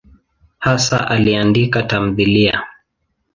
Hasa aliandika tamthiliya.